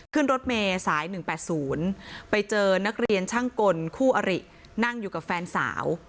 ขึ้นรถเมย์สาย๑๘๐ไปเจอนักเรียนช่างกลคู่อรินั่งอยู่กับแฟนสาว